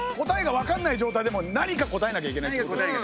答えが分かんない状態でも何か答えなきゃいけないってこと？